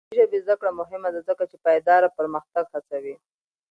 د انګلیسي ژبې زده کړه مهمه ده ځکه چې پایداره پرمختګ هڅوي.